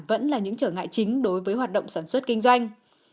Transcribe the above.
vẫn là những trở ngại chính đối với hoạt động sản xuất kinh doanh